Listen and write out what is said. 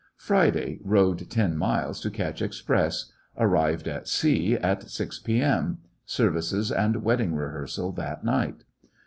Friday. Rode ten miles to catch express. Arrived at C at 6 p.m. Services and wed ding rehearsal that night.